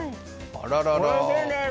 あららら。